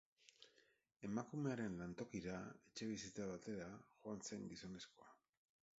Emakumearen lantokira, etxebizitza batera, joan zen gizonezkoa.